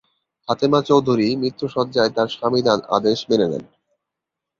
ফাতেমা চৌধুরী মৃত্যুশয্যায় তার স্বামীর আদেশ মেনে নেন।